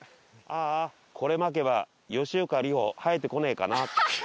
ああこれまけば吉岡里帆生えてこねぇかな？